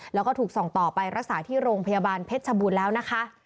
แล้วก็ถูกส่งต่อไปรักษาที่โรงพยาบาลเพชรชบูรณ์แล้วนะคะ